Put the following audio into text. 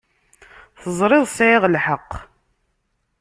Teẓriḍ sεiɣ lḥeqq.